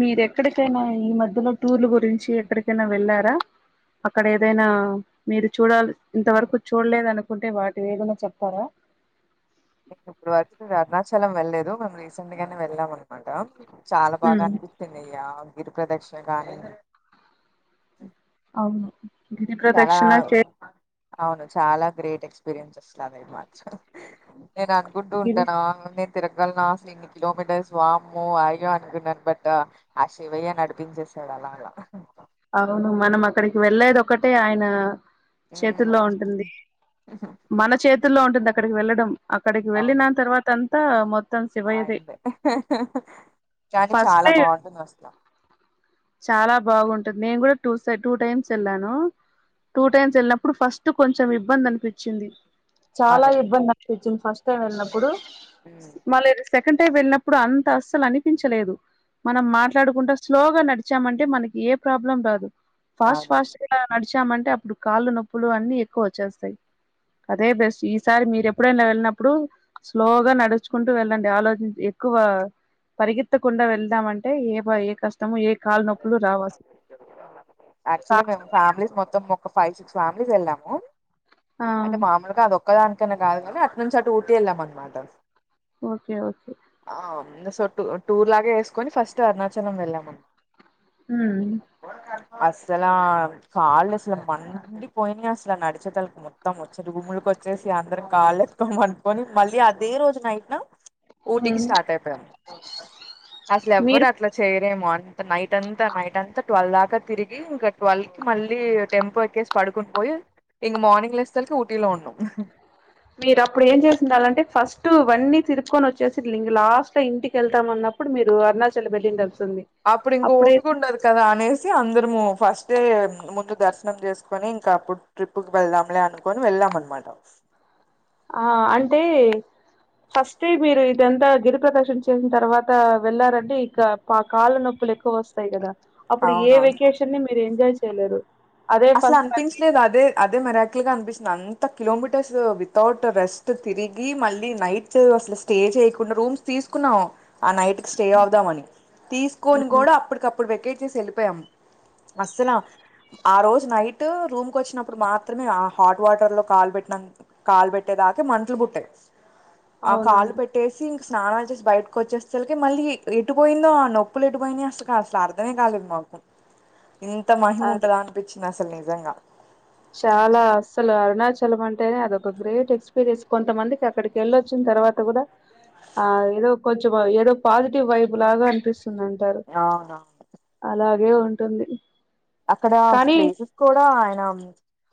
మీరు ఎక్కడికైనా ఈ మధ్యలో టూర్లు గురించి ఎక్కడికైనా వెళ్ళారా అక్కడ ఏదైనా మీరు చూడాలి ఇంతవరకు చూడలేద అనుకుంటే వాటి ఏేదైనా చెప్తారా నేన ఇప్పుడు వరకు అరుణాచలం వెళ్లేదు మేము రీసెంట్ గానే వెళ్ళాం అనమాట చాలా ఉమ్ బాగా అనిపిస్తుంది అయ్యా గిరి ప్రదర్శకానీ అవును గిరి ప్ర్రదక్షిణ చే అవును చాలా గ్రేట్ ఎక్స్పీరియన్సెస్ లాగా ఇవి మాత్రం నేను అనుకుంటూ గిరి ఉంటాను నేను తిరగలన అసలు ఇన్ని కిలోమీటర్స్ వామ్మో అయ్యో అనుకున్నాను బట్ ఆ శివయ్య నడిపించేసాడు అలాగా అవును మనం అక్కడికి వెళ్లేది ఒక్కటే ఆయన చేతుల్లో ఉంటుంది మ్మ్ మన చేతుల్లో ఉంటుంది అక్కడికి వెళ్ళడం అక్కడికి వెళ్ళిన తర్వాత ఆన్ థా మో అయిందే కానీ ఫస్ట్ చాలా టైం బాగుంటుంది అస్సలా చాలా బాగుంటుంది నేను కూడా టూ టూ టైమ్స్ వెళ్ళాను టూ టైమ్స్ వెళ్ళినప్పుడు ఫస్ట్ కొంచెం ఇబ్బంది అనిపించి చ్చింది చాలా అదే అదే ఇబ్బంది అనిపించింది ఫస్ట్ టైం వెళ్ళినప్పుడు మ్మ్ మళ్ళ సెకండ్ టైం వెళ్ళినప్పుడు అంత అస్సలు అనిపించలేదు మనం మాట్లాడుకుంటడా స్లోగా నడిచామంటే మనకి ఏ ప్రాబ్లం రాదు ఫాస్ట్ అదే అదే ఫాస్ట్ గ నడిచి వచమంటే అప్పుడు కాళ్ళు నొప్పులు అన్నీ ఎక్కువ వచ్చేస్తాయి అదే బెస్ట్ ఈసారి మీరు ఎప్పుడైనా వెళ్ళినప్పుడు స్లోగా నడుచుకుంటూ వెళ్ళండి ఆలోచించ ఎక్కువ పరిగెత్తకుండా వెళ్దామంటే ఏ ఏ కష్టము ఏ కాళ్ళనొప్పులు రావాసాలు యాక్చువల్లీ మేము ఫ్యామిలీస్ మొత్తం ఒక ఫైవ్ సిక్స్ ఫ్యామిలీస్ వెళ్ళాము ఆ అంటే మామూలుగా అద ఒక్కదానికి ఇక్కన కాదు కాని అటు నుంచి అటు ఊటీ వెళ్ళాం అన్నమాట ఓకే ఓకే అ సో టూర్ లాగే వేసుకొని ఫస్ట్ అరుణాచలం వెళ్ళాము హ్మ్ అసలా కాళ్ళు అసలు మండిపోయినా అసలు నడిచేటాపటికి మొత్తం వచ్చారు గుమ్ములకి వచ్చేసి అందరం కాళ్ళ ఎత్కోమనుకొని మళ్ళీ అదే రోజు నైట్న ఊటీ కీ స్టార్ట్ అయితం అసలు మీరు ఎవ్వరు అట్లా చేయరు రేమన్ నైట్ అంతా నైట్ అంత ట్వల్ ఇకా తిరిగి ఇంక ట్వల్కి మళ్ళీ టెంపో ఎక్కేసి పడుకుని పోయి ఇంక మార్నింగ్ లేచేసరికి ఊటీలో ఉన్నాం మీరు అప్పుడు ఏం చేసిండాలంటే ఫస్ట్ అవన్నీ తిరుకొని వచ్చేసి ఇంక లాస్ట్ లో ఇంటికి వెళ్తాంమన్నప్పుడు మీరు అరుణాచలం వెళ్ళిండచు అప్పుడు ఇంక ఓపిక ఉండదు కదా అనేసి అందరము ఫస్ట్ అయితే ముందు దర్శనం చేసుకొని ఇంకా అప్పుడు ట్రిప్పుకి వెళ్దాంలే అనుకొని వెళ్ళాం అనమాట ఆ అంటే ఫస్ట్ మీరు ఇదంతా గిరిప్రకాశన చేసిన తర్వాత వెళ్లారంటే ఇక కాళ్ళ నొప్పులు ఎక్కువ వస్తాయి కదా అప్పుడు ఏ అవునవును వెకేషన్ని ని మీరు ఎంజాయ్ తెలిదు అసలు అనిపించలేదు అదే అదే మీరాక్ కిల్ అనిపిస్తుంది అంత కిలోమీటర్స్ వితౌట్ రెస్ట్ తిరిగి మళ్ళీ నైట్ అసలు స్టే చేయకుండా రూమ్స్ తీసుకున్నాం ఆ నైట్ కి స్టే అవుదాంమని తీసుకొని కూడా అప్పటికప్పుడు వేకెట్ చేసి వెళ్ళిపోయాం అస్సలా టు రూమ్ కు వచ్చినప్పుడు మాత్రమే ఆ హాట్ వాటర్ లో కాలు పెట్టి కాలు పెట్టేదాక మంటలు పుట్టాయి ఆ కాలు అవునవును పెట్టేసి స్నానం వచ్చేసి బయటకు వచ్చేసలకి మళ్ళీ ఎటు పోయిందో ఆ నొప్పులు ఎటుపోయినాయి అసలు కాదు అసలు అర్థమే కాలేదు మాకు ఇంత మహిమా అదే ఉంటదాని అసలు నిజంగా చాలా అస్సలు అరుణాచలం అంటేనే అదొక గ్రేట్ ఎక్స్పీరియన్స్ కొంతమందికి అక్కడికి వెళ్ళొచ్చిన తర్వాత కూడా ఆ ఏదో కొంచెం ఏదో పాజిటివ్ వైబ్ లాగా అనిపిస్ స్తుందంటారు అవునవును అలా లాగే ఉంటుంది అక్కడ కానీ ప్లేసెస్ కూడా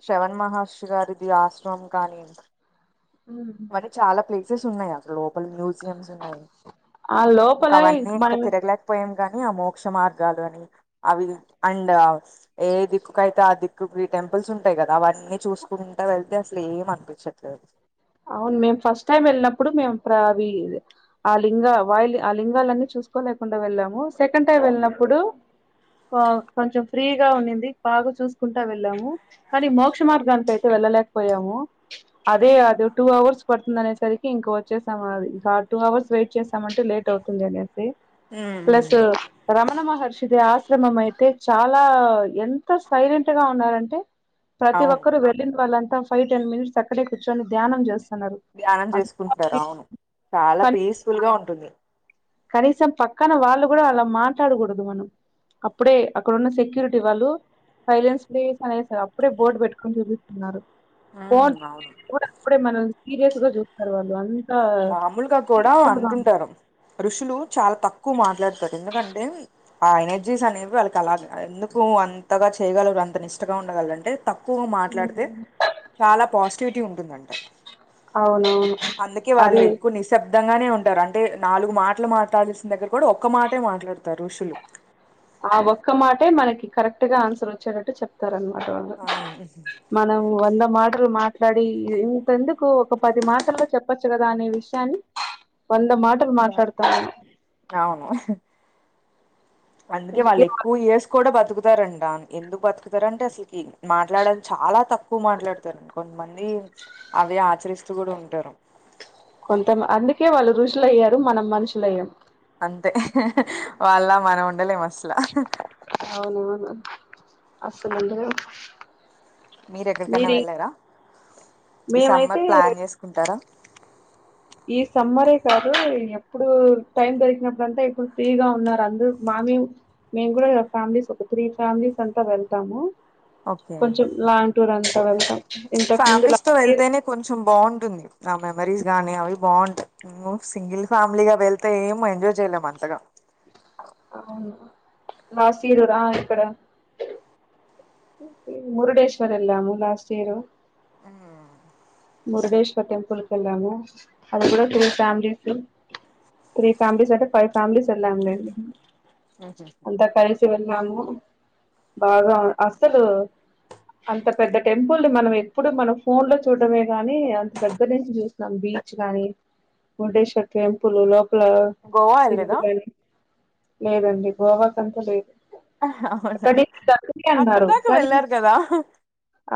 శ్రవణ్ మహర్షి గారిది ఆశ్రమం కానీయం మరి చాలా ప్లే సెస్ ఉన్నాయి అసల లోపల మ్యూ జియంస్ ఉన్నాయి ఆ ఇంకా లోపల అవన్నీ ఇంకా మనం తిరగలేకపోయా కానీ ఆ మోక్ష మార్గాలు అని అవి అండ్ ఏ దిక్కుకు అయితే ఆ దిక్కుకి టెంపుల్స్ ఉంటాయి కదా అవన్నీ చూసుకుంటా వెళ్తే అసలు ఏం అనిపించట్లేదు అవును మేము ఫస్ట్ టైం వెళ్ళినప్పుడు మేము ప్రవి ఆ లింగ వాయి ఆ లింగాలన్నీ చూసుకోలేకుండా వెళ్ళాము సెకండ్ టైం వెళ్ళినప్పుడు కా కొంచెం ఫ్రీగా ఉన్నింది బాగా చూసుకుంటా వెళ్ళాము కానీ మోక్ష మార్గానికి అయితే వెళ్ళలేకపోయాము అదే అది టూ అవర్స్ పడుతుంది అనేసరికి ఇంక వచ్చేసాం అది ఇంకా టూ అవర్స్ వెయిట్ చేస్తామంటే లేట్ అవుతుంది అనేసి ఉమ్ ప్లస్ ఉమ్. రమణ మహర్షి ది ఆస శ్రమం అయితే చాలా ఎంత సైలెంట్ గా ఉన్నారంటే ప్రతి అవును ఒక్కరుూ వెళ్ళనా వాళ్ళం ఫైవ్ టెన్ మనిట్స్ అక్కడే కూర్చొని ధ్యానం చెస్ ధ్యానం చేసుకుంటుారు అవును చాలా కానీ పీస్ఫుల్ గా ఉంటుంది కనీసం పక్కన వాళ్ళు కూడా అలా మాట్లాడకూడదు మనం అప్పుడే అక్కడన్న సెక్యూరిటీ వాళ్ళు సైలెన్స్ ప్లీస్ అనేసి అప్పుడే బోర్డు పెట్టుకని తిరుగుతూన్నారు ఫోన్ ఉమ్ రింగ్ అవును [unintelligible] అపుడే మన సీరియస్ గా చూస్తర్ కదండి వాళ్ళు మామూలుగా కూడా పీస్ఫుల్ గా ఉంది. అంటుంటారు ఋషి షులు చాలా తక్కువ మాట్లాడతారు ఎందుకంటే ఆ ఎనర్జీస్ అనేవి వాళ్ళకి అలా ఎందుకు అంతగా చేయగలర్ అంత నిష్టగా ఉండగలర్ అంటే తక్కువ మాట్లాడితే చాలా పాజిటివిటీ ఉంటుంది అంటా అవునవును అందుకే వాళ్ళు అదే ఎక్కువ నిశబ్ ద్ధంగానే ఉంటారు అంటే నాలుగు మాటలు మాట్లాడాల్సిన దగ్గర కూడా ఒక్క మాటే మాట్లాడతారు ఋషులు ఆ ఒక్క మాటే మనకి కరెక్ట్ గా ఆన్సర్ వచ్చేటట్టు చెప్తారన్ అ అవును మనం వంద మాటలు మా ట్లాడి ఇంతెందుకు ఒక పది మాటల్లో చెప్పచ్చు కదా అనే విషయాన్ని వంద మాటలు వా- మాట్లాడతాము అవును అందుకే వాళ్ళు ఎక్కువ ఇయర్స్ కూడా బతుకుత తారు ఎందుకు బతుకుతార అంటే అసలుకి మాట్లాడ చాలా తక్కువ మాట్లాడుతార్ అని కొంతమంది అవే ఆచరిస్తూ కూడా ఉంటారు కొంత అందుకే వాళ్ళు రుషులు అయ్యారు మనం మనుషులు అయ్యాం అంతే వాళ్ళ మనం ఉండలేం అస్ అవునవును అసలు ఉండదు మీరు ఎక్కడికన్నా వెళ్ళారా ఈ మేమైతే సమ్మర్ ప్లాన్ చేసుకుంటారా ఈ సమ్మరే కాదు ఎప్పుడు టైం దొరికినప్పుడు అంతా ఇప్పుడు ఫ్రీగా ఉన్నారు అందరు మా మేము కూడా ఫ్యామిలీస్ ఒక త్రీ ఫ్యామిలీస్ అంతా వెళ్తాము ఓకే కొంచం లాంగ్ టూర్ అంద్ టా వెళ్తా ఫ్యామిలీస్ తో వెళ్తేనే కొంచెం బాగుంటుంది నా మెమోరీస్ గానీ అవి బాంటాయి ఉము సింగిల్ ఫ్యామిలీగా వెళ్తే ఏమో ఎంజాయ్ చేయలేము అంతగా అవునా లాస్ట్ ఇయర్ రా ఇక్కడ మురుడేశ్వర్ ఎలాము లాస్ట్ ఇయర్ మురుడేశ్వర్ టెంపుల్ కి వెళ్ళాము అది కూ త్రీ ఫ్యామిలీస్ త్రీ ఫ్యామిలీస్ అంటే ఫైవ్ ఫ్యామిలీస్ వెళ్ళాం లెండి హ్మ్ హు హు వెళ్ళాము బాగా అసలు అంత పెద్ద టెంపుల్ మనం ఎప్పుడు మనం ఫోన్ లో చూడమే గానీ అంత దగ్గర నుంచి చూసినం బీచ్ గాని మురుడేశ్వర్ టెంపుల్ లో గోవా [unintelligible] సింగ్ వెళ్ళలేదా గాని లేదండి గోవా కంతా లేదు అవునా అక్కడనుంచి దెగ్గర్నె అక్కడ అన్నారు దాకా కానీ వెళ్ళారు కదా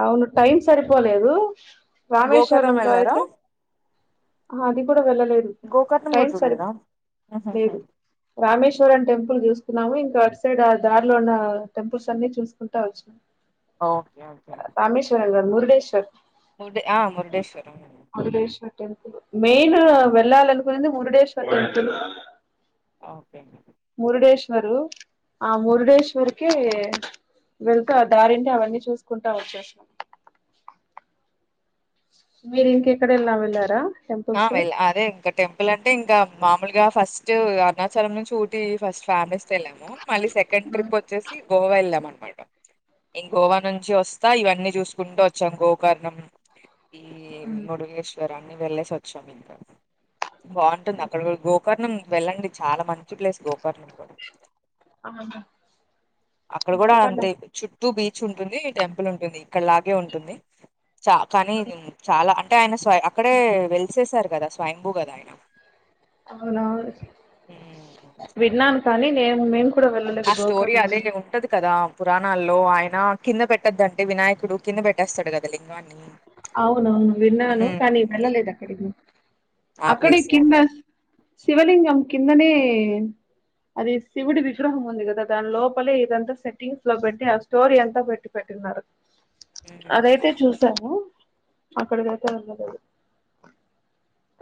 అవును టైం సరిపోలేదు అ గోకర్ణం రామేశ్వరంలో వెళ్ళారా అయితే ఆ అది కూడా వెళ్ళలేదు గోకర్ణం టైం కూడా సరి చూడలేదా ఆహాహా లేదు రామేశ్వరం టెంపుల్ చూసుకున్నాము ఇంకా అటు సైడ్ ఆ దారిలో ఉన్న టెంపుల్స్ అన్ని చూసుకుంటా వచ్చినం ఓకే ఓకే అండి మురుగేశ్వర్ మురుడ్ మురుడేశ్వరం మురుడేశ్వర్ మెయిన్ వెళ్ళాలనుకునేది మురుడేశ్వర్ టెంపుల్ ఓకే అండి మురుడేశ్వరు ఆ మురుడేశ్వరికి వెళ్త దారింటి అవన్నీ చూసుకుంటా వచ్చేసనం మీరు ఇంకెక్కడ వెళ్ళా వెళ్లారా ఆ వెళ్ అదే ఇంకా టెంపుల్ అంటే ఇంకా మామలుగా ఫస్ట్ అరుణాచలం నుంచి ఊటి ఫస్ట్ ఫ్యామిలీస్ వెళ్ళాము మళ్ళీ సెకండ్ ట్రిప్ వచ్చేసి గోవా వెళ్ళాం అనమా ఇం గోవా నుంచి వస్తా ఇవన్నీ చూసుకుంటూ వచ్చాం గోకర్ణం ఈ ముడుగేష్ సరన్ని వెళ్ళేసోత్ చమీదం బావుంటుంది అక్కడ గో కర్ణం వెళ్ళండి. చాలా మంచి ప్లేస్ గో అవును అక్కడ కూడా గోకర్ణ అంతే చుట్ టూ బీచ్ ఉంటుంది, టెంపుల్ ఉంటుంది. ఇక్కడ్లగే ఉంటుంది. చ కానీ ఇదిన్ చాలా అన్ క్యానాసవై అక్కడే వేల్ చేశారు కదా స్వయంభూ గాదైనా అవునవున్ హ్మ్. విన్నన్ కానీ నేము మీము ఆ స్టోరీ అదే ఉంటద్దు కదా పురాణాల్లో ఆయన కింద పెట్టొదంటే వినాయకుడు కింద పెట్టేస్తాడు కదా లింగాన్ అవునవును విన్నాను. కానీ హ్మ్. వెళ్ళలేదు అక్కడికి ఆ అక్కడే ప్లేసే అది కిందస్ శివలింగం కిందనే అది శివుడి విగ్రహం ఉంది. కదా దాని లోపలే ఇదంతా సెట్టింగ్స్ లో పెట్టి, ఆ స్టోరీ అంతా పెట్టి పెట్టినారు. హ్మ్. అదైతే అదే. చూసాము. అక్కడికైతే ఎవర్క్ తెల్వదు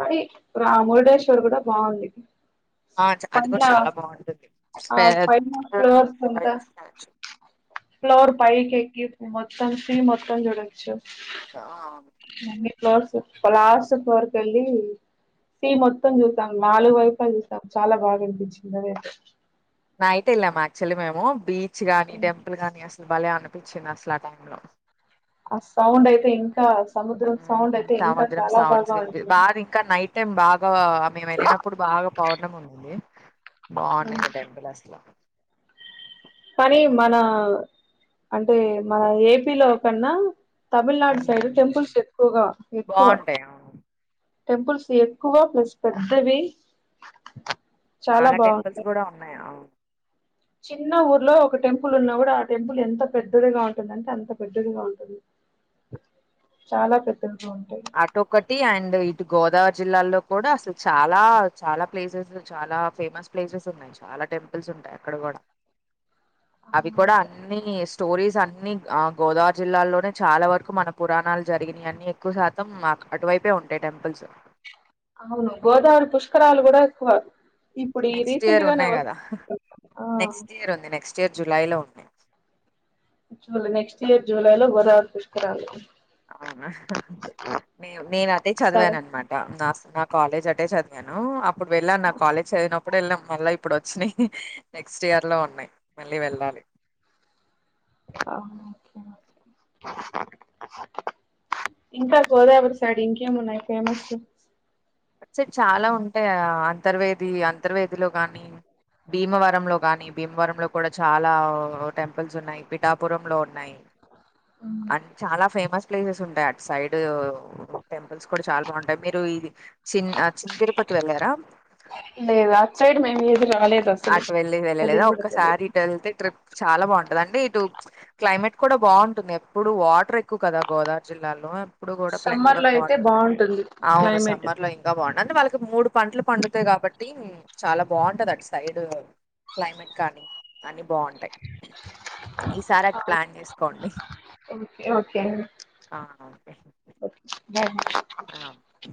అది రాముడేశ్వర్ కూడా బావుంది. ఆ చ అది పండ్ల కూడా చాలా బాగుంటుంది ఆ ఫైన ఫ్లోర్స్ అంత ఫ్లోర్ పైకేకి మొత్తం సి మొత్తం జూడొచ్చు నగే ఫ్లోర్సు ఫలార్సు ఫోర్ కెళ్ళి టీ మొత్తం చూసాం నాలుగు వైపులు చూసాం చాలా బాగా అనిపించింది. అదైతే నైట్ ఏళ్ళాము అయ్యాక్చల్లి మేము బీ చ్చిగాని టెంపుల్ గానీ ఆస్ బలే అనిపించింది. అస్లా ఆ టైమ్ లో ఆ సౌండ్ అయితే ఇంకాస్ సముద్రం సౌండ్ హ్మ్. అయితే ఇంకా చాలా బాగా ఉంటుంద. హేబాదు ఆ మేము వెళ్ళినప్పుడు బాగా పౌర్ణం ఉంది. బావుండనే టెంపుల్ అస్లో కానీ మన అంటే మన ఏపీ లో కన్నా తమిళనాడు సైడ్ హ్మ్. టెంపుల్స్ ఎక్కువగా ఎక్కువ బావుంటాయి. అవును. టెంపుల్స్ ఎక్కువ ప్లేస్ పెద్దవి. చాలా టెంపుల్స్ గుడా ఉన్నాయా. చిన్న ఊర్లో ఒక టెంపుల్ ఉన్నా కూడా ఆ టెంపుల్ ఎంత పెద్దదిగా ఉంటుందంటే అంత పెద్దదిగా ఉంటుంది. చాలా పెద్ద అటు ఒకటి అండ్ ఇటు గోదార్ జిల్లాల్లో కూడా అసలు చాలా చాలా ప్లేసేజు చాలా ఫేమస్ ప్లేసెస్ ఉన్నాయి చాలా టెంపుల్స్ ఉంటాయి అక్కడ కూడా అవి కూడా అన్ని ఇ స్టోరీస్ అన్ని ఆ గోదావరి జిల్లాలోనే చాలా వరకు మన పురాణాలు జరిగినయి అన్నన్ని ఎక్కువ మొత్తం మాకు అటువైపే ఉంటాయి టెంపుల్స్ అవును గోదావరి పుష్కరాలు కూడా ఎక్కువ ఇప్పుడు ఈ నెక్స్ట్ రీసెంట్ ఇయర్ గానే ఉన్నాయి కదా వస్తు ఆ నెక్స్ట్ ఇయర్ ఉంది నెక్స్ట్ ఇయర్ జులైలో ఉన్నాయి జూలై నెక్స్ట్ ఇయర్ జూలై లో గోదావరి పుష్కరాాల అవునా నే నేన అది సరే చదివాన అనమాట నా నా కాలేజ్ అటే చదివాను ఇప్పుడు వేళ్ళను నా కాలేజ్ చదివి అప్పుడు వెళ్ళాం మళ్ళా ఇప్పుడు వచ్చినాయి నెక్స్ట్ ఇయర్ లో ఉన్నాయి మళ్ళీ వెళ్ళాలి ఇంకా గోదావరి సైడ్ ఇంకేం ఉన్నాయి ఫేమస్ స చాలా ఉంటాయి అంతర్వేది అంతర్వేదిలో కానీ భీమవరంలో కానీ భీమవరంలో కూడా చాలా టెంపుల్స్ ఉన్నాయి పిఠాపురంలో న్నాయి అం చాలా ఫేమస్ ప్లేసెస్ ఉంటాయి అట్ సైడ్ టెంపుల్స్ కూడా చాలా బాగుంటాయి మీరు ఇది చిన్న చి తిరుపతి వెళ్ళారా లేదు అటు సైడ్ మేము ఏది రాలేదు అసలు అటు వెళ్ళి వెళ్ళలేదా తెలియదు కూడా తెలియదు ఒక్కసారి ఇటు వెళ్తే ట్రిప్ చాలా బాగుంటది అంటే ఇటు క్లైమేట్ కూడా బాగుంటుంది ఎప్పుడు వాటర్యి ఎక్కు కదా గోదావరి జిల్లాలో ఇప్పుడు కూడా ప్లెంటీ సమ్మర్ లో ఆఫ్ అయితే వాటర్ ఉంటాయి బాగుంటుంది అవును క్లైమేట్ సమ్మర్ లోం పండు అంటే వాళ్ళకి మూడు పంటలు పండుతాయి కాబట్టి చాలా బాగుంటది అటు సైడ్ క్లైమేట్ కానీ అ బాగుంటాయి ఈసారి అటు ప్లాన్ చేసుకోండి ఓకే ఓకే ఓకే బర ఆ